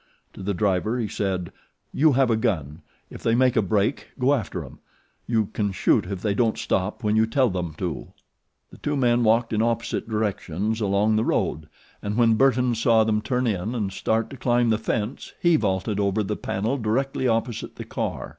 To the driver he said: "You have a gun. If they make a break go after 'em. You can shoot if they don't stop when you tell 'em to." The two men walked in opposite directions along the road, and when Burton saw them turn in and start to climb the fence he vaulted over the panel directly opposite the car.